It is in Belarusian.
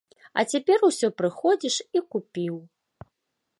А цяпер усё прыходзіш і купіў.